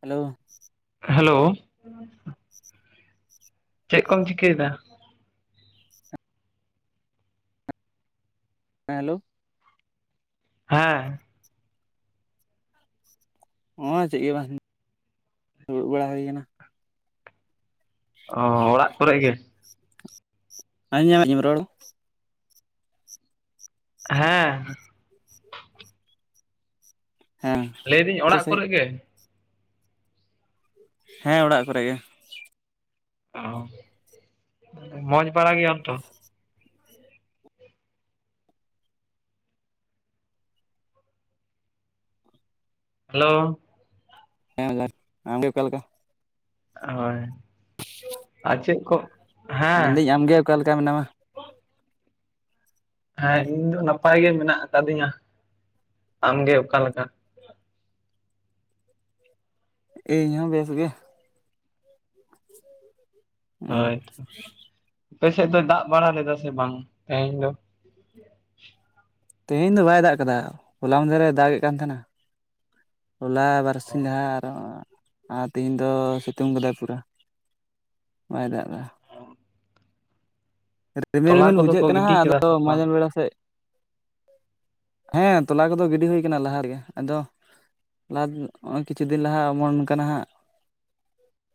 Hello. Hello. ᱪᱮᱫ ᱠᱚᱢ ᱪᱤᱠᱟᱹᱭ ᱫᱟ? ᱦᱮᱸ ᱦᱮᱞᱳ᱾ ᱦᱮᱸ᱾ ᱱᱚᱜ-ᱚᱭ ᱪᱮᱫ ᱜᱮ ᱵᱟᱝ ᱫᱩᱲᱩᱵ ᱵᱟᱲᱟ ᱦᱩᱭ ᱟᱠᱟᱱᱟ᱾ ᱚ ᱚᱲᱟᱜ ᱠᱚᱨᱮᱜ ᱜᱮ? ᱟᱸᱡᱚᱢᱮᱫ ᱛᱤᱧᱟᱢ ᱨᱚᱲ? ᱦᱮᱸ᱾ [inaudible] ᱦᱮᱸ ᱞᱟᱹᱭᱫᱟᱹᱧ ᱡᱚᱛᱚ ᱚᱲᱟᱜ ᱥᱟᱺᱦᱤᱡ ᱠᱚᱨᱮᱜ ᱜᱮ? ᱦᱮᱸ ᱚᱲᱟᱜ ᱠᱚᱨᱮ ᱜᱮ᱾ ᱚ ᱢᱚᱡᱽ ᱵᱟᱲᱟ ᱜᱮᱭᱟᱢ ᱛᱚ? ᱦᱮᱞᱳ᱾ ᱦᱮᱸ [unintelligible] ᱟᱢᱜᱮ ᱚᱠᱟᱞᱮᱠᱟ? ᱦᱳᱭ ᱟᱨ ᱪᱮᱫ ᱠᱚ ᱦᱮᱸ ᱢᱮᱱᱫᱟᱹᱧ ᱟᱢᱜᱮ ᱚᱠᱟ ᱞᱮᱠᱟ ᱢᱮᱱᱟᱢᱟ? ᱦᱮᱸ ᱤᱧ ᱫᱚ ᱱᱟᱯᱟᱭ ᱜᱮ ᱢᱮᱱᱟᱜ ᱠᱟᱫᱤᱧᱟ᱾ ᱟᱢᱜᱮ ᱚᱠᱟᱞᱮᱠᱟ? ᱤᱧ ᱦᱚᱸ ᱵᱮᱥ ᱜᱮ᱾ ᱦᱩᱸ ᱦᱳᱭ ᱛᱚ, ᱟᱯᱮ ᱥᱮᱫ ᱫᱚᱭ ᱫᱟᱜ ᱵᱟᱲᱟ ᱞᱮᱫᱟ ᱥᱮ ᱵᱟᱝ ᱛᱮᱦᱮᱧ ᱫᱚ? [inaudible] ᱛᱮᱦᱮᱧ ᱫᱚ ᱵᱟᱭ ᱫᱟᱜ ᱟᱠᱟᱫᱟ ᱦᱚᱞᱟ ᱢᱟᱸᱫᱷᱮᱨ ᱮ ᱫᱟᱜ ᱮᱫ ᱠᱟᱱ ᱛᱟᱦᱮᱱᱟ᱾ ᱦᱚᱞᱟ ᱵᱟᱨᱥᱤᱧ ᱞᱟᱦᱟ ᱟᱨᱚ ᱟᱨ ᱛᱮᱤᱦᱤᱧ ᱫᱚ ᱥᱤᱛᱩᱝ ᱠᱟᱫᱟᱭ ᱯᱩᱨᱟᱹ ᱵᱟᱭ ᱫᱟᱜ ᱫᱟ᱾ ᱛᱚᱞᱟ ᱠᱚᱫᱚ ᱠᱚ ᱜᱤᱰᱤ ᱠᱮᱫᱟ ᱥᱮ ᱵᱟᱝ? ᱯᱮᱲᱟ ᱥᱮᱫ [inaudible] ᱦᱮᱸ ᱛᱚᱞᱟ ᱠᱚᱫᱚ ᱜᱤᱰᱤ ᱦᱩᱭ ᱟᱠᱟᱱᱟ ᱞᱟᱦᱟ ᱨᱮᱜᱮ, ᱟᱫᱚ ᱞᱟᱦᱟ ᱱᱚᱜᱼᱚᱭ ᱠᱤᱪᱷᱩ ᱫᱤᱱ ᱞᱟᱦᱟ ᱚᱢᱚᱱ ᱟᱠᱟᱱᱟ ᱦᱟᱸᱟᱜ ᱾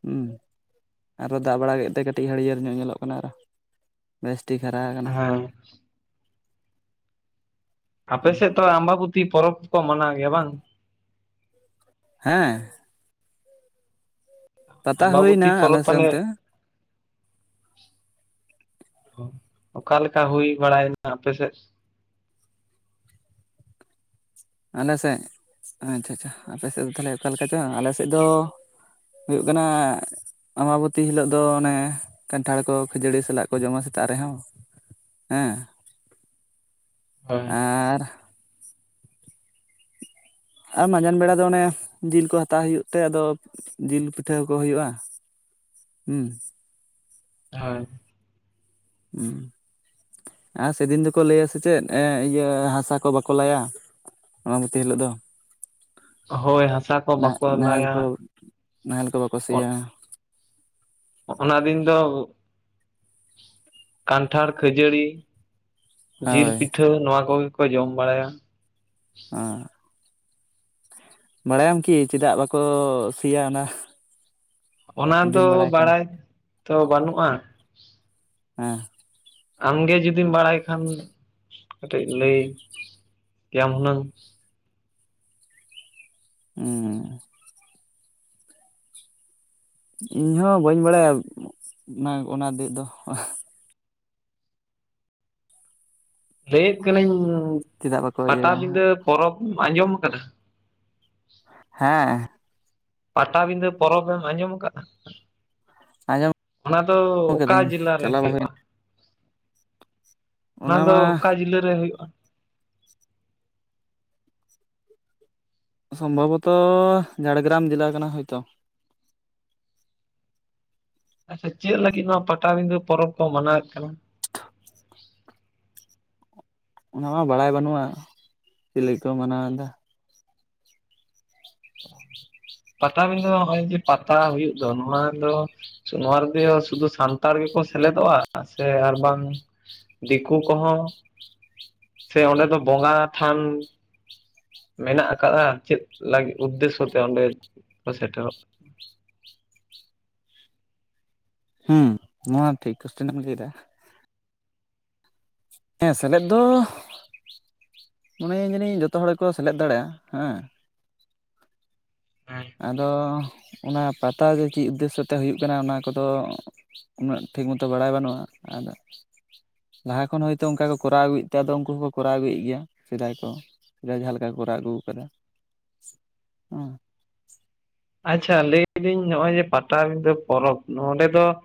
ᱦᱢ ᱟᱨᱚ ᱫᱟᱜ ᱵᱟᱲᱟ ᱠᱮᱫ ᱛᱮ, ᱠᱟᱹᱴᱤᱡ ᱦᱟᱹᱲᱭᱟᱹᱲ ᱧᱚᱜ ᱧᱮᱞᱚᱜ ᱠᱟᱱᱟ ᱟᱨᱚ ᱵᱮᱥ ᱴᱷᱤᱠ ᱦᱟᱨᱟ ᱟᱠᱟᱱᱟ ᱾ ᱦᱳᱭ [unintelligible] ᱟᱯᱮ ᱥᱮᱫ ᱛᱚ ᱟᱢᱵᱟᱵᱩᱛᱤ ᱯᱚᱨᱚᱵᱽ ᱠᱚ ᱠᱚ ᱢᱟᱱᱟᱣ ᱜᱮᱭᱟ ᱵᱟᱝ? ᱦᱮᱸᱻ, ᱯᱟᱛᱟ ᱟᱢᱵᱟᱵᱩᱛᱤ ᱦᱩᱭᱱᱟ ᱟᱞᱮ ᱯᱚᱨᱚᱵᱽ ᱥᱮᱫ ᱛᱟᱦᱞᱮ ᱚᱱᱛᱮ ᱚ ᱚᱠᱟ ᱞᱮᱠᱟ ᱦᱩᱭ ᱵᱟᱲᱟᱭᱮᱱᱟ ᱟᱯᱮ ᱥᱮᱫ? ᱟᱞᱮ ᱥᱮᱫ, ᱟᱪᱪᱷᱟ ᱟᱪᱪᱷᱟ ᱟᱯᱮ ᱥᱮᱫ ᱫᱚ, ᱛᱟᱦᱚᱞᱮ ᱚᱠᱟᱞᱮ ᱞᱮᱠᱟ ᱪᱚᱝ? ᱟᱞᱮᱥᱮᱫ ᱫᱚ ᱦᱩᱭᱩᱜ ᱠᱟᱱᱟ ᱟᱢᱟᱵᱚᱛᱤ ᱦᱤᱞᱳᱜ ᱫᱚ, ᱚᱱᱮ ᱠᱟᱱᱴᱷᱟᱲ ᱠᱚ ᱠᱷᱟᱹᱡᱟᱹᱲᱤ ᱥᱟᱞᱟᱜ ᱠᱚ ᱡᱚᱢᱟ ᱥᱮᱛᱟᱜ ᱨᱮᱦᱚᱸ, ᱦᱮᱸ ᱦᱳᱭ ᱟᱨ ᱟᱨ ᱢᱟᱡᱟᱱ ᱵᱮᱲᱟ ᱫᱚ ᱚᱱᱮ ᱡᱤᱞ ᱠᱚ ᱦᱟᱛᱟᱣ ᱦᱩᱭᱩᱜ ᱛᱮ, ᱟᱫᱚ ᱡᱤᱞ ᱯᱤᱴᱷᱟᱹ ᱠᱚ ᱦᱩᱭᱩᱜᱼᱟ ᱾ ᱦᱩᱸ, ᱦᱳᱭ [unintelligible] ᱦᱩᱸ [unintelligible] ᱟᱨ ᱥᱮᱫᱤᱱ ᱫᱚᱠᱚ ᱞᱟᱹᱭᱟ ᱥᱮ ᱪᱮᱫ ᱮᱸ ᱤᱭᱟᱹ, ᱦᱟᱥᱟ ᱠᱚ ᱵᱟᱠᱚ ᱞᱟᱭᱟ ᱚᱢᱟᱵᱚᱛᱤ ᱦᱤᱞᱳᱜ ᱫᱚ ᱾ ᱦᱳᱭ ᱦᱟᱥᱟ ᱠᱚ ᱵᱟᱠᱚ ᱱᱟᱦᱮᱞ ᱞᱟᱭᱟ ᱠᱚ ᱱᱟᱦᱮᱞ ᱠᱚ ᱵᱟᱠᱚ ᱥᱤᱭᱟ ᱾ ᱚᱱᱟ ᱫᱤᱱ ᱫᱚ ᱠᱟᱱᱴᱷᱟᱲ, ᱠᱷᱟᱹᱡᱟᱹᱲᱤ ᱡᱤᱞ ᱦᱳᱭ ᱯᱤᱴᱷᱟᱹ ᱱᱚᱣᱟ ᱠᱚᱜᱮ ᱠᱚ ᱡᱚᱢ ᱵᱟᱲᱟᱭᱟ, ᱟᱨ [unintelligible] ᱵᱟᱲᱟᱭᱟᱢ ᱠᱤ ᱪᱮᱫᱟᱜ ᱵᱟᱠᱚ ᱥᱤᱭᱟ ᱚᱱᱟ? ᱚᱱᱟ ᱫᱚ ᱡᱩᱫᱤᱢ ᱠᱷᱟᱱ ᱵᱟᱲᱟᱭ ᱛᱚ ᱵᱟᱹᱱᱩᱜᱼᱟ। ᱦᱮᱸ, ᱟᱢᱜᱮ ᱡᱩᱫᱤᱢ ᱵᱟᱲᱟᱭ ᱠᱷᱟᱱ ᱠᱟᱹᱴᱤᱡ ᱞᱟᱹᱭ ᱠᱮᱭᱟᱢ ᱦᱩᱱᱟᱹᱝ ᱾ ᱩᱸᱻ ᱤᱧ ᱦᱚᱸ ᱵᱟᱹᱧ ᱵᱟᱲᱟᱭᱟ ᱚᱱᱟ ᱚᱱᱟ ᱫᱤ ᱫᱚ, ᱞᱟᱹᱭᱮᱫ ᱠᱟᱹᱱᱟᱹᱧ ᱪᱮᱫᱟᱜ ᱵᱟᱠᱚ ᱤᱭᱟᱹᱭᱟ ᱯᱟᱴᱟᱵᱤᱸᱫᱟᱹ ᱯᱚᱨᱚᱵᱽ ᱟᱸᱡᱚᱢ ᱟᱠᱟᱫᱟ? ᱦᱮᱸ, ᱯᱟᱴᱟᱵᱤᱸᱫᱟᱹ ᱯᱚᱨᱚᱵᱽ ᱮᱢ ᱟᱸᱡᱚᱢ ᱟᱠᱟᱫᱼᱟ ᱾ ᱟᱸᱡᱚᱢ ᱚᱱᱟ ᱫᱚ ᱚᱠᱟ ᱠᱟᱹᱫᱟᱹᱧ ᱡᱮᱞᱟ ᱨᱮ ᱪᱟᱞᱟᱣ ᱵᱟᱭ ᱦᱩᱭᱩᱜᱼᱟ? ᱦᱩᱭᱱᱟ ᱚᱱᱟ ᱫᱚ ᱚᱠᱟ ᱡᱤᱞᱟᱹ ᱨᱮ ᱦᱩᱭᱩᱜᱼᱟ? ᱥᱚᱢᱵᱷᱚᱵᱚᱛᱚ ᱡᱷᱟᱲᱜᱨᱟᱢ ᱡᱮᱞᱟ ᱠᱟᱱᱟ ᱦᱚᱭᱛᱚ, ᱟᱪᱪᱷᱟ ᱪᱮᱫ ᱞᱟᱹᱜᱤᱫ ᱱᱚᱣᱟ ᱯᱟᱴᱟᱵᱤᱸᱫᱟᱹ ᱯᱚᱨᱚᱵᱽ ᱠᱚ ᱢᱟᱱᱟᱣᱮᱫ ᱠᱟᱱᱟ? ᱚᱱᱟ ᱢᱟ ᱵᱟᱲᱟᱭ ᱵᱟᱹᱱᱩᱜᱼᱟ, ᱪᱮᱫ? ᱞᱟᱹᱜᱤᱫ ᱠᱚ ᱢᱟᱱᱟᱣ ᱮᱫᱟ ᱾ ᱯᱟᱴᱟᱵᱤᱸᱫᱷᱟᱹ ᱱᱚᱜᱼᱚᱭ ᱡᱮ ᱯᱟᱛᱟ ᱦᱩᱭᱩᱜ ᱫᱚ ᱱᱚᱣᱟ ᱫᱚ ᱱᱚᱣᱟ ᱨᱮ ᱫᱚ ᱥᱩᱫᱷᱩ ᱥᱟᱱᱛᱟᱲ ᱜᱮᱠᱚ ᱥᱮᱞᱮᱫᱚᱜᱼᱟ, ᱥᱮ ᱟᱨ ᱵᱟᱝ? ᱫᱤᱠᱩ ᱠᱚ ᱦᱚᱸ, ᱥᱮ ᱚᱸᱰᱮ ᱫᱚ ᱵᱚᱸᱜᱟ ᱛᱷᱟᱱ ᱢᱮᱱᱟᱜ ᱟᱠᱟᱫᱟ, ᱪᱮᱫ ᱞᱟᱹᱜᱤᱫ? ᱩᱫᱽᱫᱮᱥᱥᱚ ᱛᱮ ᱚᱸᱰᱮ ᱠᱚ ᱥᱮᱴᱮᱨᱚᱜ ᱦᱩᱸ ᱱᱚᱣᱟ ᱴᱷᱤᱠ ᱮᱢ ᱞᱟᱹᱭ ᱮᱫᱟ ᱾ [unintelligible] ᱦᱮᱸ ᱥᱮᱞᱮᱫ ᱫᱚᱻ, ᱢᱚᱱᱮᱭᱟᱹᱧ ᱡᱟᱹᱱᱤᱡ ᱡᱚᱛᱚ ᱦᱚᱲ ᱜᱮᱠᱚ ᱥᱮᱞᱮᱫ ᱫᱟᱲᱮᱭᱟᱜᱼᱟ, ᱦᱮᱸ ᱾ ᱠᱟᱱᱟ? ᱟᱫᱚ ᱚᱱᱟ ᱯᱟᱛᱟ ᱫᱚ ᱪᱮᱫ ᱩᱫᱽᱫᱮᱥᱥᱚ ᱛᱮ ᱦᱩᱭᱩᱜ ᱠᱟᱱᱟ, ᱚᱱᱟ ᱠᱚᱫᱚ ᱩᱱᱟᱹᱜ ᱴᱷᱤᱠ ᱢᱚᱛᱚ ᱵᱟᱲᱟᱭ ᱵᱟᱹᱱᱩᱜᱼᱟ, ᱟᱨ ᱞᱟᱦᱟ ᱠᱷᱚᱱ ᱦᱚᱭᱛᱚ ᱚᱱᱠᱟ ᱠᱚ ᱠᱚᱨᱟᱣ ᱟᱹᱜᱩᱭᱮᱫ ᱛᱮ ᱟᱫᱚ ᱩᱱᱠᱩ ᱦᱚᱸᱠᱚ ᱠᱚᱨᱟᱣ ᱟᱹᱜᱩᱭᱮᱫ ᱜᱮᱭᱟ ᱥᱮᱫᱟᱭ ᱠᱚ ᱾ ᱥᱮᱫᱟᱭ ᱡᱟᱦᱟᱸ ᱞᱮᱠᱟ ᱠᱚᱨᱟᱣ ᱟᱹᱜᱩᱣ ᱠᱟᱱᱟ, ᱦᱮᱸ ᱾ [inaudible] ᱟᱪᱪᱷᱟ ᱞᱟᱹᱭ ᱫᱟᱹᱧ ᱱᱚᱜᱼᱚᱭ ᱡᱮ ᱯᱟᱴᱟᱵᱤᱸᱫᱷᱟᱹ ᱯᱚᱨᱚᱵᱽ ᱾ ᱱᱚᱰᱮ ᱫᱚ ᱼᱼ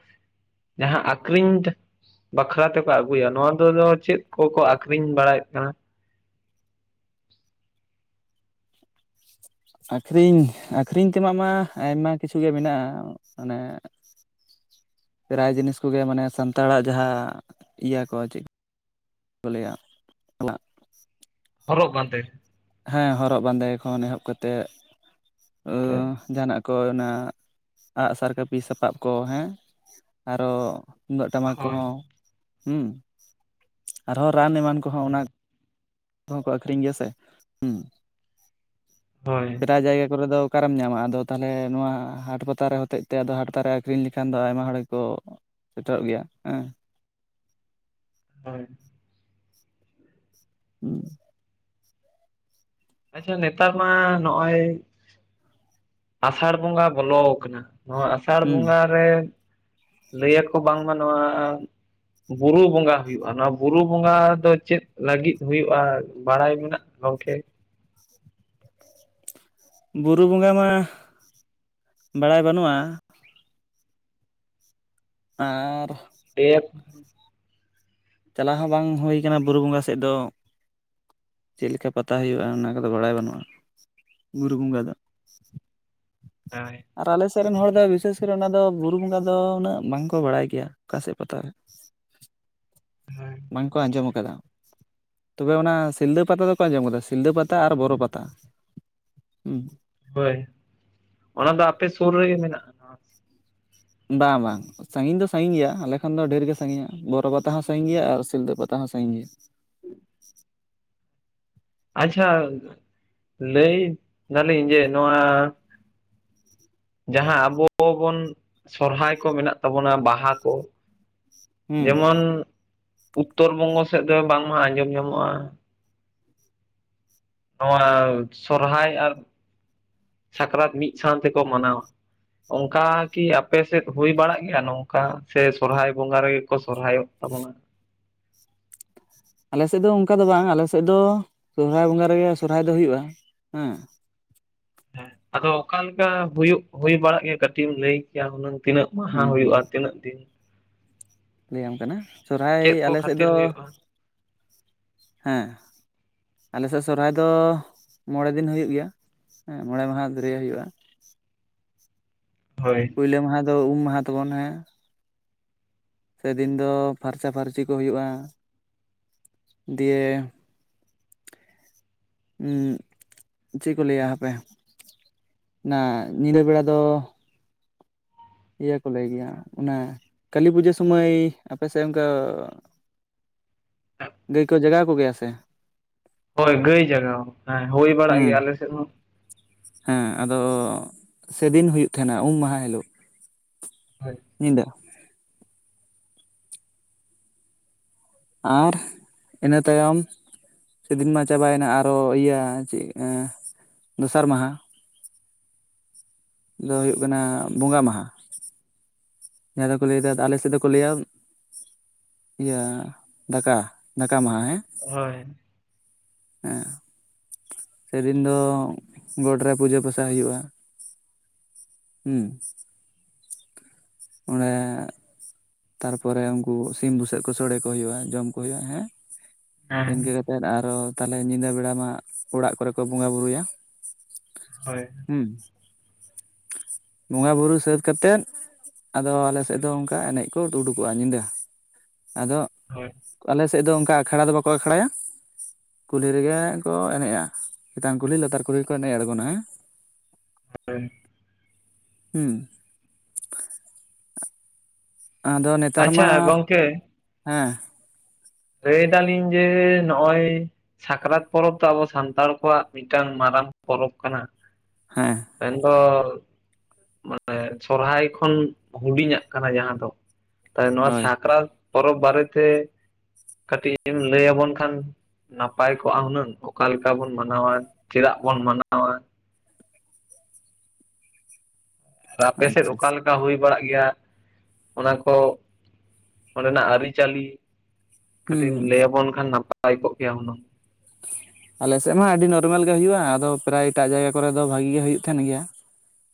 ᱡᱟᱦᱟᱸ ᱟᱠᱨᱤᱧ ᱵᱟᱠᱷᱨᱟ ᱛᱮᱠᱚ ᱟᱹᱜᱩᱭᱟ, ᱱᱚᱣᱟ ᱫᱚ ᱪᱮᱫ ᱠᱚᱠᱚ ᱟᱠᱷᱨᱤᱧ ᱵᱟᱲᱟᱭᱮᱫ ᱠᱟᱱᱟ? ᱟᱹᱠᱷᱨᱤᱧ, ᱟᱹᱠᱷᱨᱤᱧ ᱛᱮᱱᱟᱜ ᱢᱟ ᱟᱭᱢᱟ ᱠᱤᱪᱷᱩ ᱜᱮ ᱢᱮᱱᱟᱜᱼᱟ ᱾ ᱢᱟᱱᱮ ᱼᱼ ᱯᱨᱟᱭ ᱡᱤᱱᱤᱥ ᱠᱚ ᱜᱮ ᱾ ᱢᱟᱱᱮ ᱥᱟᱱᱛᱟᱲᱟᱜ ᱡᱟᱦᱟᱸ ᱤᱭᱟᱹ ᱠᱚ ᱪᱮᱫ ᱼᱼ ᱠᱚ ᱞᱟᱹᱭᱟ ᱚᱱᱟ? ᱦᱚᱨᱚᱜ ᱵᱟᱸᱫᱮ ᱾ ᱦᱮᱸ ᱦᱚᱨᱚᱜ ᱵᱟᱸᱫᱮ ᱠᱷᱚᱱ ᱮᱦᱚᱵ ᱠᱟᱛᱮᱫ ᱾ ᱳᱻ ᱡᱟᱦᱟᱱᱟᱜ ᱠᱚ ᱚᱱᱟ ᱟᱸᱜᱼᱥᱟᱨ ᱠᱟᱹᱯᱤ ᱥᱟᱯᱟᱵ ᱠᱚ ᱦᱮᱸ ᱾ ᱟᱨᱚ ᱼᱼ ᱛᱩᱢᱫᱟᱜ ᱴᱟᱢᱟᱠ ᱦᱳᱭ ᱠᱚᱦᱚᱸ ᱦᱩᱸ ᱾ ᱟᱨᱦᱚᱸ ᱨᱟᱱ ᱮᱢᱟᱱ ᱠᱚᱦᱚᱸ ᱚᱱᱟ ᱾ ᱠᱚᱦᱚ ᱠᱚ ᱟᱠᱷᱨᱤᱧ ᱜᱮᱭᱟ ᱥᱮ ᱦᱩᱸ ᱦᱳᱭ ᱾ ᱯᱨᱟᱭ ᱡᱟᱭᱜᱟ ᱠᱚᱨᱮ ᱫᱚ ᱼᱼ ᱚᱠᱟ ᱨᱮᱢ ᱧᱟᱢᱟ? ᱟᱫᱚ ᱛᱟᱦᱚᱞᱮ ᱱᱚᱣᱟ ᱦᱟᱴ ᱯᱟᱛᱟ ᱨᱮ ᱦᱚᱛᱮᱡ ᱛᱮ, ᱟᱫᱚ ᱦᱟᱴ ᱯᱟᱛᱟ ᱨᱮ ᱟᱹᱠᱷᱨᱤᱧ ᱞᱮᱠᱷᱟᱱ ᱫᱚ ᱟᱭᱢᱟ ᱦᱚᱲ ᱜᱮ ᱠᱚ ᱼᱼ ᱥᱮᱴᱮᱨᱚᱜ ᱜᱮᱭᱟ ᱦᱮᱸ ᱾ ᱦᱳᱭ ᱾ [unintelligible] ᱟᱪᱪᱷᱟ ᱱᱮᱛᱟᱨ ᱢᱟ ᱱᱚᱜᱼᱚᱭ ᱼᱼ ᱟᱥᱟᱲ ᱵᱚᱸᱜᱟ ᱵᱚᱞᱚᱣ ᱠᱟᱱᱟ ᱾ ᱱᱚᱣᱟ ᱟᱥᱟᱲ ᱦᱩᱸ ᱵᱚᱸᱜᱟ ᱨᱮ ᱼᱼ ᱞᱟᱹ ᱟᱠᱚ ᱵᱟᱝᱢᱟ ᱱᱚᱣᱟ ᱼᱼ ᱵᱩᱨᱩ ᱵᱚᱸᱜᱟ ᱦᱩᱭᱩᱜᱼᱟ ᱾ ᱱᱚᱣᱟ ᱵᱩᱨᱩ ᱵᱚᱸᱜᱟ ᱫᱚ ᱪᱮᱫ ᱞᱟᱹᱜᱤᱫ ᱦᱩᱭᱩᱜᱼᱟ ᱵᱟᱲᱟᱭ ᱢᱮᱱᱟᱜ ᱼᱼ ᱜᱚᱝᱠᱮᱼᱼ ᱵᱩᱨᱩ ᱵᱚᱸᱜᱟ ᱢᱟ, ᱵᱟᱲᱟᱭ ᱵᱟᱹᱱᱩᱜᱼᱟ ᱾ ᱟᱻᱨ ᱼᱼ [unintelligible] ᱪᱟᱞᱟᱣ ᱦᱚᱸ ᱵᱟᱝ ᱦᱩᱭ ᱠᱟᱱᱟ ᱵᱩᱨᱩ ᱵᱚᱸᱜᱟ ᱥᱮᱫ ᱫᱚ ᱾ ᱪᱮᱫ ᱞᱮᱠᱟ ᱯᱟᱛᱟ ᱦᱩᱭᱩᱜᱼᱟ? ᱚᱱᱟ ᱠᱚ ᱫᱚ ᱵᱟᱲᱟᱭ ᱵᱟᱹᱱᱩᱜᱼᱟ ᱾ ᱵᱩᱨᱩ ᱵᱚᱸᱜᱟ ᱫᱚ ᱾ [unintelligible] ᱟᱨ ᱟᱞᱮ ᱥᱮᱫ ᱨᱮᱱ ᱦᱚᱲ ᱫᱚ ᱵᱤᱥᱮᱥ ᱠᱚᱨᱮ ᱚᱱᱟ ᱫᱚ ᱵᱩᱨᱩ ᱵᱚᱸᱜᱟ ᱫᱚ ᱩᱱᱟᱹᱜ ᱵᱟᱝᱠᱚ ᱵᱟᱲᱟᱭ ᱜᱮᱭᱟ ᱾ ᱚᱠᱟ ᱥᱮᱫ ᱯᱟᱛᱟ ᱨᱮ ᱦᱳᱭ ᱾ ᱵᱟᱝ ᱠᱚ ᱟᱸᱡᱚᱢ ᱟᱠᱟᱫᱟ ᱾ ᱛᱚᱵᱮ ᱚᱱᱟ ᱥᱤᱞᱫᱟᱹ ᱯᱟᱛᱟ ᱫᱚ ᱠᱚ ᱟᱸᱡᱚᱢ ᱠᱟᱫᱟ ᱾ ᱥᱤᱞᱫᱟᱹ ᱯᱟᱛᱟ ᱟᱨ ᱵᱚᱨᱚ ᱯᱟᱛᱟ ᱦᱩᱸ ᱾ ᱦᱳᱭ, ᱚᱱᱟ ᱫᱚ ᱟᱯᱮ ᱥᱩᱨ ᱨᱮᱜᱮ ᱢᱮᱱᱟᱜᱼᱟ? ᱵᱟᱝ ᱵᱟᱝ ᱾ ᱥᱟᱺᱜᱤᱧ ᱫᱚ ᱥᱟᱺᱜᱤᱧ ᱜᱮᱭᱟ ᱾ ᱟᱞᱮ ᱠᱷᱚᱱᱫᱚ ᱰᱷᱮᱨ ᱜᱮ ᱥᱟᱺᱜᱤᱧᱟ ᱾ ᱵᱚᱨᱚ ᱯᱟᱛᱟ ᱦᱚᱸ ᱥᱟᱺᱤᱧ ᱜᱮᱭᱟ ᱟᱨ ᱥᱤᱞᱫᱟᱹ ᱯᱟᱛᱟ ᱦᱚᱸ ᱾ ᱥᱟᱺᱜᱤᱧ ᱜᱮᱭᱟ ᱟᱪᱪᱷᱟ, ᱞᱟᱹᱭ ᱫᱟᱞᱤᱧ ᱡᱮ ᱱᱚᱣᱟ ᱼᱼ ᱡᱟᱦᱟᱸ ᱟᱵᱚ ᱵᱚᱱ ᱥᱚᱨᱦᱟᱭ ᱠᱚ ᱢᱮᱱᱟᱜ ᱛᱟᱵᱚᱱᱟ ᱵᱟᱦᱟ ᱠᱚ ᱾ ᱦᱮᱸ ᱡᱮᱢᱚᱱ ᱩᱛᱛᱚᱨ ᱵᱚᱝᱜᱚ ᱥᱮᱫ ᱫᱚ ᱵᱟᱝᱢᱟ ᱟᱸᱡᱚᱢ ᱧᱟᱢᱚᱜᱼᱟ ᱾ ᱱᱚᱣᱟ ᱥᱚᱨᱦᱟᱭ ᱟᱨ ᱥᱟᱠᱨᱟᱛ ᱢᱤᱫ ᱥᱟᱶᱛᱮ ᱠᱚ ᱢᱟᱱᱟᱣᱟ ᱾ ᱚᱱᱠᱟ ᱠᱤ ᱟᱯᱮ ᱥᱮᱫ ᱦᱩᱭ ᱵᱟᱲᱟᱜ ᱜᱮᱭᱟ ᱱᱚᱝᱠᱟ? ᱥᱮ ᱥᱚᱨᱦᱟᱭ ᱵᱚᱸᱜᱟ ᱨᱮᱜᱮ ᱠᱚ ᱥᱚᱨᱦᱟᱭᱚᱜ ᱛᱟᱵᱚᱱᱟ? ᱟᱞᱮ ᱥᱮᱫ ᱫᱚ ᱚᱱᱠᱟ ᱫᱚ ᱵᱟᱝ ᱟᱞᱮ ᱥᱮᱫ ᱫᱚ ᱥᱚᱦᱚᱨᱟᱭ ᱵᱚᱸᱜᱟ ᱨᱮᱜᱮ ᱥᱚᱨᱦᱟᱭ ᱫᱚ ᱦᱩᱭᱩᱜᱼᱟ ᱦᱮᱸ ᱾ ᱦᱮᱸ ᱟᱫᱚ ᱚᱠᱟ ᱞᱮᱠᱟ ᱦᱩᱭᱩᱜ ᱦᱩᱭ ᱵᱟᱲᱟᱜ ᱜᱮᱭᱟ? ᱠᱟᱹᱴᱤᱡ ᱮᱢ ᱞᱟᱹᱭ ᱠᱮᱭᱟ ᱦᱩᱱᱟᱹᱝ ᱾ ᱛᱤᱱᱟᱹᱜ ᱢᱟᱦᱟ ᱦᱩᱸ ᱦᱩᱭᱩᱜᱼᱟ? ᱛᱤᱱᱟᱹᱜ ᱫᱤᱱ? ᱞᱟᱹᱭ ᱟᱢ ᱠᱟᱱᱟ ᱥᱚᱨᱦᱟᱭ ᱪᱮᱫ ᱠᱚ ᱟᱞᱮ ᱥᱮᱫ ᱠᱷᱟᱹᱛᱤᱨ ᱫᱚ ᱼᱼ ᱦᱩᱭᱩᱜᱼᱟ? ᱦᱮᱸ ᱾ ᱟᱞᱮ ᱥᱮᱫ ᱥᱚᱨᱦᱟᱭ ᱫᱚ ᱢᱚᱬᱮ ᱫᱤᱱ ᱦᱩᱭᱩᱜ ᱜᱮᱭᱟ ᱦᱮᱸ ᱾ ᱢᱚᱬᱮ ᱢᱟᱦᱟ ᱫᱷᱩᱨᱭᱟᱹ ᱦᱩᱭᱩᱜᱼᱟ ᱾ ᱦᱳᱭ ᱯᱳᱭᱞᱳ ᱢᱟᱦᱟ ᱫᱚ ᱩᱢ ᱢᱟᱦᱟ ᱛᱟᱵᱚᱱ ᱦᱮᱸ ᱾ ᱥᱮᱫᱤᱱ ᱫᱚ ᱯᱷᱟᱨᱪᱟ ᱯᱷᱟᱨᱪᱤ ᱠᱚ ᱦᱩᱭᱩᱜᱼᱟ ᱾ ᱫᱤᱭᱮ [unintelligible] ᱪᱮᱫ ᱠᱚ ᱞᱟᱹᱭᱟ ᱦᱟᱯᱮ ᱱᱟ ᱧᱤᱫᱟᱹ ᱵᱮᱲᱟ ᱫᱚ ᱤᱭᱟᱹ ᱠᱚ ᱞᱟᱹᱭ ᱜᱮᱭᱟ ᱚᱱᱟ ᱠᱟᱹᱞᱤ ᱯᱩᱡᱟᱹ ᱥᱚᱢᱟᱹᱭ ᱟᱯᱮ ᱥᱮᱫ ᱚᱱᱠᱟ ᱜᱟᱹᱭ ᱠᱚ ᱡᱟᱜᱟᱣ ᱠᱚᱜᱮᱭᱟ ᱥᱮ ᱦᱳᱭ ᱜᱟᱹᱭ ᱡᱟᱜᱟᱣ ᱦᱮᱸ ᱦᱩᱭ ᱵᱟᱲᱟᱜ ᱦᱩᱸ ᱜᱮᱭᱟ ᱟᱞᱮ ᱥᱮᱫ ᱦᱚᱸ ᱦᱮᱸ ᱟᱫᱚ ᱥᱮᱫᱤᱱ ᱦᱩᱭᱩᱜ ᱛᱟᱦᱮᱸᱱᱟ ᱩᱢ ᱢᱟᱦᱟ ᱦᱤᱞᱳᱜ ᱦᱳᱭ ᱧᱤᱫ ᱟᱨ ᱤᱱᱟᱹ ᱛᱟᱭᱚᱢ ᱥᱮᱫᱤᱱ ᱢᱟ ᱪᱟᱵᱟᱭᱮᱱᱟ ᱟᱨᱚ ᱤᱭᱟᱹ ᱪᱮᱫ ᱫᱚᱥᱟᱨ ᱢᱟᱦᱟ ᱫᱚ ᱦᱩᱭᱩᱜ ᱠᱟᱱᱟ ᱵᱚᱸᱜᱟ ᱢᱟᱦᱟ ᱡᱟᱦᱟᱸ ᱫᱚᱠᱚ ᱞᱟᱹᱭᱫᱟ ᱟᱞᱮ ᱥᱮᱫ ᱫᱚᱠᱚ ᱞᱟᱹᱭᱟ ᱤᱭᱟᱹ ᱫᱟᱠᱟ ᱫᱟᱠᱟ ᱢᱟᱦᱟ ᱦᱮᱸ ᱦᱳᱭ ᱦᱮᱸ ᱥᱮᱫᱤᱱ ᱫᱚ ᱜᱚᱴ ᱨᱮ ᱯᱩᱡᱟᱹ ᱯᱟᱥᱟ ᱦᱩᱭᱩᱜᱼᱟ ᱦᱩᱸ ᱚᱸᱰᱮ ᱛᱟᱨᱯᱚᱨᱮ ᱩᱱᱠᱩ ᱥᱤᱢ ᱵᱩᱥᱟᱹᱜ ᱠᱚ ᱥᱚᱲᱮ ᱠᱚ ᱦᱩᱭᱩᱜᱼᱟ ᱡᱚᱢ ᱠᱚ ᱦᱩᱭᱩᱜᱼᱟ ᱦᱮᱸ ᱦᱮᱸ ᱤᱱᱠᱟᱹ ᱠᱟᱛᱮ ᱮᱱᱛᱮᱫ ᱟᱨᱚ ᱛᱟᱦᱚᱞᱮ ᱧᱤᱫᱟᱹ ᱵᱮᱲᱟ ᱢᱟ ᱚᱲᱟᱜ ᱠᱚᱨᱮ ᱠᱚ ᱵᱚᱸᱜᱟ ᱵᱳᱩᱨᱩᱭᱟ᱾ ᱦᱚᱭ ᱦᱩᱸ ᱵᱚᱸᱜᱟ ᱵᱩᱨᱩ ᱥᱟᱹᱛ ᱠᱟᱛᱮᱫ ᱟᱫᱚ ᱟᱞᱮᱥᱮᱫ ᱫᱚ ᱚᱱᱠᱟ ᱮᱱᱮᱡ ᱠᱚ ᱩᱰᱩᱠᱚᱜᱼᱟ ᱧᱤᱫᱟᱹ᱾ ᱟᱫᱚ ᱦᱳᱭ᱾ ᱟᱞᱮ ᱥᱮᱫ ᱫᱚ ᱚᱱᱠᱟ ᱟᱠᱷᱲᱟ ᱫᱚ ᱵᱟᱠᱚ ᱟᱠᱷᱲᱟᱭᱟ ᱠᱩᱞᱦᱤ ᱨᱮᱜᱮ ᱠᱚ ᱮᱱᱮᱡᱼᱟ ᱪᱮᱛᱟᱱ ᱠᱩᱞᱦᱤ ᱞᱟᱛᱟᱨ ᱠᱩᱞᱦᱤ ᱠᱚ ᱮᱱᱮᱡ ᱟᱲᱜᱚᱱᱟᱸ ᱦᱮᱸ᱾ ᱦᱳᱭ ᱦᱩᱸ ᱟᱫᱚ ᱱᱮᱛᱟᱨ ᱟᱪᱪᱷᱟ ᱢᱟ ᱜᱚᱝᱠᱮ ᱦᱮᱸ ᱞᱟᱹᱭ ᱫᱟᱞᱤᱧ ᱡᱮ ᱱᱚᱜᱼᱚᱭ ᱥᱟᱠᱨᱟᱛ ᱯᱚᱨᱚᱵᱽ ᱫᱚ ᱟᱵᱚ ᱥᱟᱱᱛᱟᱲ ᱠᱚᱣᱟᱜ ᱢᱤᱫᱴᱟᱝ ᱢᱟᱨᱟᱝ ᱯᱚᱨᱚᱵᱽ ᱠᱟᱱᱟ᱾ ᱦᱮᱸ ᱢᱮᱱᱫᱚ ᱢᱟᱱᱮ ᱥᱚᱨᱦᱟᱭ ᱠᱷᱚᱱ ᱦᱩᱰᱤᱧᱟᱜ ᱠᱟᱱᱟ ᱡᱟᱦᱟᱸ ᱫᱚ ᱛᱟᱭ ᱱᱚᱣᱟ ᱦᱳᱭ ᱥᱟᱠᱨᱟᱛ ᱯᱚᱨᱚᱵᱽ ᱵᱟᱨᱮᱛᱮ ᱠᱟᱹᱴᱤᱡ ᱮᱢ ᱞᱟᱹᱭ ᱟᱵᱚᱱ ᱠᱷᱟᱱ ᱱᱟᱯᱟᱭ ᱠᱚᱜᱼᱟ ᱦᱩᱱᱟᱹᱝ ᱚᱠᱟ ᱞᱮᱠᱟ ᱵᱚᱱ ᱢᱟᱱᱟᱣᱟ ᱪᱮᱫᱟᱜ ᱵᱚᱱ ᱢᱟᱱᱟᱣᱟ ᱯᱮ ᱥᱮᱫ ᱟᱪᱪᱷᱟ ᱚᱠᱟᱞ ᱠᱟ ᱦᱩᱭ ᱵᱟᱲᱟᱜ ᱜᱮᱭᱟ ᱚᱱᱟ ᱠᱚ ᱚᱸᱰᱮᱱᱟᱜ ᱟᱹᱨᱤᱪᱟᱹᱞᱤ ᱦᱩᱸ ᱠᱟᱹᱴᱤᱡ ᱮᱢ ᱦᱩᱸ ᱞᱟᱹᱭᱟᱵᱚᱱ ᱠᱷᱟᱱ ᱱᱟᱯᱟᱭ ᱠᱚᱜ ᱠᱮᱭᱟ ᱦᱩᱱᱟᱹᱝ ᱟᱞᱮᱥᱮᱫ ᱢᱟ ᱟᱹᱰᱤ ᱱᱚᱨᱢᱮᱞ ᱜᱮ ᱦᱩᱭᱩᱜᱼᱟ ᱟᱫᱚ ᱯᱨᱟᱭ ᱮᱴᱟᱜ ᱡᱟᱭᱜᱟ ᱠᱚᱨᱮᱫ ᱫᱚ ᱵᱷᱟᱜᱤ ᱜᱮ ᱦᱩᱭᱩᱜ ᱛᱟᱦᱮᱫ ᱜᱮᱭᱟ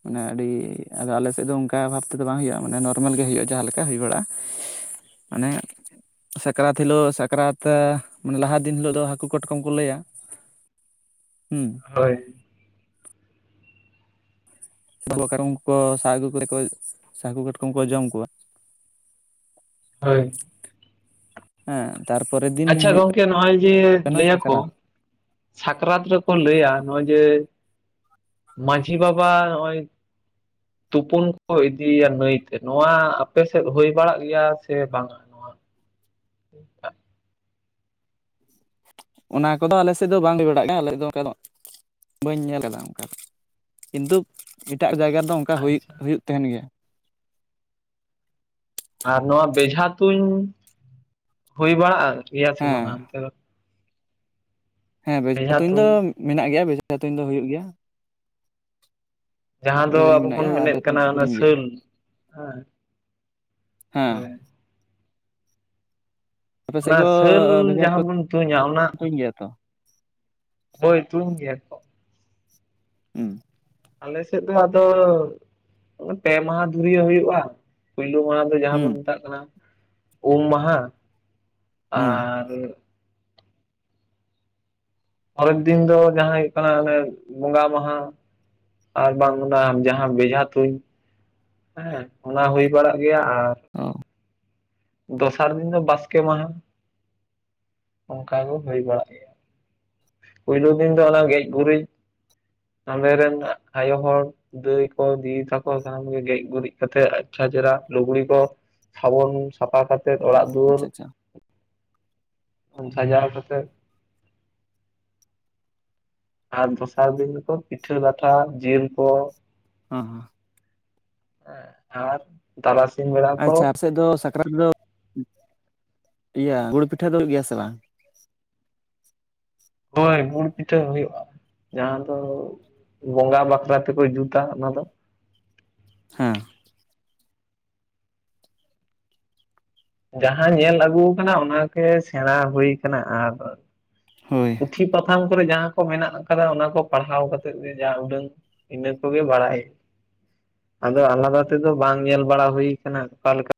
ᱢᱟᱱᱮ ᱟᱹᱰᱤ ᱟᱫᱚ ᱟᱞᱮ ᱥᱮᱫ ᱫᱚ ᱚᱱᱠᱟ ᱵᱷᱟᱵᱽ ᱛᱮᱫᱚ ᱵᱟᱝ ᱦᱩᱭᱩᱜᱼᱟ ᱢᱟᱱᱮ ᱱᱚᱨᱢᱮᱞ ᱜᱮ ᱦᱩᱭᱩᱜᱼᱟ ᱡᱟᱦᱟᱸ ᱞᱮᱠᱟ ᱦᱩᱭ ᱵᱟᱲᱟᱜᱼᱟ ᱢᱟᱱᱮ ᱥᱟᱠᱨᱟᱛ ᱦᱤᱞᱳᱜ ᱥᱟᱠᱨᱟᱛ ᱢᱟᱱᱮ ᱞᱟᱦᱟ ᱫᱤᱱ ᱦᱤᱞᱳᱜ ᱫᱚ ᱦᱟᱹᱠᱩ ᱠᱟᱴᱠᱚᱢ ᱠᱚ ᱞᱟᱹᱭᱟ ᱦᱩᱸ ᱦᱳᱭ ᱠᱟᱴᱠᱚᱢ ᱠᱚ ᱥᱟᱜ ᱟᱹᱜᱩ ᱠᱚ ᱦᱟᱹᱠᱩ ᱠᱟᱴᱠᱚᱢ ᱠᱚ ᱡᱚᱢ ᱠᱚᱣᱟ ᱦᱳᱭ ᱦᱮᱸ ᱛᱟᱨᱯᱚᱨᱮ ᱫᱤᱱ ᱟᱪᱪᱷᱟ ᱦᱩᱭᱩᱜ ᱜᱚᱢᱠᱮ ᱱᱚᱜᱼᱚᱭ ᱡᱮ ᱠᱟᱱᱟ ᱞᱟᱹᱭᱟᱠᱚ ᱥᱟᱠᱨᱟᱛ ᱥᱟᱠᱨᱟᱛ ᱨᱮᱠᱚ ᱞᱟᱹᱭᱟ ᱱᱚᱜᱼᱚᱭ ᱡᱮ ᱢᱺᱡᱷᱤ ᱵᱟᱵᱟ ᱱᱚᱜᱼᱚᱭ ᱛᱩᱯᱩᱱ ᱠᱚ ᱤᱫᱤᱭᱟ ᱱᱟᱹᱭ ᱛᱮ, ᱱᱚᱣᱟ ᱟᱯᱮ ᱥᱮᱫ ᱦᱩᱭ ᱵᱟᱲᱟᱜ ᱜᱮᱭᱟ ᱥᱮ ᱵᱟᱝᱟ? ᱱᱚᱣᱟ ᱚᱱᱟ ᱠᱚᱫᱚ ᱟᱞᱮ ᱥᱮᱫ ᱫᱚ ᱵᱟᱝ ᱦᱩᱭ ᱵᱟᱲᱟᱜ ᱜᱮᱭᱟ, ᱟᱞᱮ ᱫᱚ ᱚᱱᱠᱟ ᱫᱚ᱾ ᱵᱟᱹᱧ ᱧᱮᱞ ᱠᱟᱫᱟ ᱚᱱᱠᱟ ᱠᱤᱱᱛᱩ ᱮᱴᱟᱜ ᱡᱟᱭᱜᱟ ᱨᱮᱫᱚ ᱚᱱᱠᱟ ᱟᱪᱪᱷᱟ ᱦᱩᱭᱩᱜ ᱛᱟᱦᱮᱸᱱ ᱜᱮᱭᱟ᱾ ᱟᱨ ᱱᱚᱣᱟ ᱵᱮᱡᱷᱟ ᱛᱩᱧ, ᱦᱩᱭ ᱵᱟᱲᱟᱜ-ᱟ, ᱜᱮᱭᱟ ᱥᱮ ᱦᱮᱸ ᱵᱟᱝᱟ ᱚᱱᱛᱮ ᱫᱚ? ᱦᱮᱸ ᱵᱷᱮᱡᱟ ᱛᱩᱧ ᱫᱚ ᱢᱮᱱᱟᱜ ᱜᱮᱭᱟ ᱵᱷᱮᱡᱟ ᱛᱩᱧ ᱫᱚ ᱦᱩᱭᱩᱜ ᱜᱮᱭᱟ᱾ ᱡᱟᱦᱟᱸ ᱫᱚ ᱵᱮᱡᱷᱟ ᱛᱩᱧ ᱟᱵᱚ ᱢᱮᱱᱟᱜ ᱵᱚᱱ ᱜᱮᱭᱟ ᱟᱨ ᱢᱮᱱᱮᱫ ᱵᱮᱡᱷᱟ ᱛᱩᱧ ᱠᱟᱱᱟ ᱫᱚᱠᱚ ᱚᱱᱟ ᱛᱩᱧ ᱜᱮᱭᱟ ᱥᱟᱹᱞ ᱦᱮᱸ ᱦᱮᱸ᱾ᱦᱳᱭ, ᱟᱯᱮ ᱥᱮᱫ ᱚᱱᱟ ᱠᱚ ᱥᱟᱹᱞ ᱡᱟᱦᱟᱸ ᱵᱚᱱ ᱛᱩᱧᱟ ᱚᱱᱟ ᱴᱷᱤᱠ ᱜᱮᱭᱟ ᱛᱚ᱾ ᱦᱳᱭ ᱛᱩᱧ ᱜᱮᱭᱟ᱾ ᱠᱚ ᱦᱮᱸ᱾ [unintelligible] ᱟᱞᱮᱥᱮᱫ ᱫᱚ ᱟᱫᱚ ᱯᱮ ᱢᱟᱦᱟ ᱫᱷᱩᱨᱤᱭᱟᱹ ᱦᱩᱭᱩᱜᱼᱟ᱾ ᱯᱩᱭᱞᱳ ᱢᱟᱦᱟ ᱫᱚ ᱡᱟᱦᱟᱸ ᱦᱩᱸ ᱵᱚᱱ ᱢᱮᱛᱟᱜ ᱠᱟᱱᱟ ᱩᱢ ᱢᱟᱦᱟ ᱦᱩᱸ ᱟᱨ ᱯᱚᱨᱮᱨ ᱫᱤᱱ ᱫᱚ ᱡᱟᱦᱟᱸ ᱦᱩᱭᱩᱜ ᱠᱟᱱᱟ ᱚᱱᱮ ᱵᱚᱸᱜᱟ ᱢᱟᱦᱟ, ᱟᱨ ᱵᱟᱝ ᱚᱱᱟ ᱡᱟᱦᱟᱸ ᱵᱮᱡᱷᱟ ᱛᱩᱸᱧ ᱦᱮᱸ, ᱚᱱᱟ ᱦᱩᱭ ᱵᱟᱲᱟᱜ ᱜᱮᱭᱟ ᱟᱨ ᱚ᱾ ᱫᱚᱥᱟᱨ ᱫᱤᱱ ᱫᱚ ᱵᱟᱥᱠᱮ ᱢᱟᱦᱟ, ᱚᱱᱠᱟ ᱜᱮ ᱦᱩᱭ ᱵᱟᱲᱟᱜ ᱜᱮᱭᱟ᱾ ᱯᱳᱭᱞᱳ ᱫᱤᱱ ᱫᱚ ᱟᱞᱟᱝ ᱜᱮᱡ ᱜᱩᱨᱤᱡ ᱟᱞᱮ ᱨᱮᱱ ᱟᱭᱳ ᱦᱚᱲ ᱫᱟᱹᱭ ᱠᱚ ᱫᱤ ᱛᱟᱠᱚ ᱥᱟᱱᱟᱢ ᱜᱮ ᱜᱮᱡ ᱜᱩᱨᱤᱡ ᱠᱟᱛᱮᱜ ᱟᱪᱪᱷᱟ ᱪᱮᱦᱨᱟ ᱞᱩᱜᱽᱲᱤ ᱠᱚ ᱥᱟᱵᱚᱱ ᱥᱟᱯᱷᱟ ᱠᱟᱛᱮᱫ, ᱚ ᱚᱲᱟᱜ ᱫᱩᱣᱟᱹᱨ ᱟᱪᱪᱷᱟ ᱟᱪᱪᱷᱟ ᱩᱱ ᱥᱟᱡᱟᱣ ᱠᱟᱛᱮᱫ ᱟᱨ ᱫᱚᱥᱟᱨ ᱫᱤᱱ ᱠᱚ ᱯᱤᱴᱷᱟᱹ ᱞᱟᱴᱷᱟ ᱡᱤᱞ ᱠᱚ ᱦᱚᱸ ᱦᱚᱸ, ᱦᱮᱸ, ᱟᱨ ᱛᱟᱨᱟᱥᱤᱧ ᱵᱮᱲᱟ ᱠᱚ ᱟᱪᱪᱷᱟ ᱟᱯᱮ ᱥᱮᱫ ᱫᱚ ᱥᱟᱠᱨᱟᱛ ᱫᱚ ᱤᱭᱟᱹ ᱜᱩᱲ ᱯᱤᱴᱷᱟᱹ ᱫᱚ ᱦᱩᱭᱩᱜ ᱜᱮᱭᱟ ᱥᱮ ᱵᱟᱝ? ᱦᱳᱭ, ᱜᱩᱲ ᱯᱤᱴᱷᱟᱹ ᱦᱩᱭᱩᱜᱼᱟ᱾ ᱡᱟᱦᱟᱸ ᱫᱚ ᱵᱚᱸᱜᱟ ᱵᱟᱠᱷᱨᱟ ᱛᱮᱠᱚ ᱡᱩᱛᱟ ᱚᱱᱟ ᱫᱚ᱾ ᱦᱮᱸ ᱡᱟᱦᱟᱸ ᱧᱮᱞ ᱟᱹᱜᱩ ᱠᱟᱱᱟ ᱚᱱᱟᱜᱮ ᱥᱮᱬᱟ ᱦᱩᱭ ᱟᱠᱟᱱᱟ ᱟᱨ ᱦᱳᱭ᱾ ᱯᱩᱛᱷᱤ ᱯᱟᱛᱷᱟᱢ ᱠᱚᱨᱮ ᱡᱟᱦᱟᱸ ᱠᱚ ᱢᱮᱱᱟᱜ ᱟᱠᱟᱫᱟ ᱚᱱᱟ ᱠᱚ ᱯᱟᱲᱦᱟᱣ ᱠᱟᱛᱮᱫ ᱜᱮ ᱡᱟ ᱩᱰᱟᱹᱝ ᱤᱱᱟᱹ ᱠᱚᱜᱮ ᱵᱟᱲᱟᱭ᱾ ᱟᱫᱚ ᱟᱞᱟᱫᱟ ᱛᱮᱫᱚ ᱵᱟᱝ ᱧᱮᱞ ᱵᱟᱲᱟ ᱦᱩᱭ ᱠᱟᱱᱟ, ᱚᱠᱟ ᱞᱮᱠᱟ